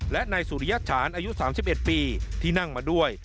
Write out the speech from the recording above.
และนายสุริยฉานอายุ๓๑ปีที่นั่งมาด้วย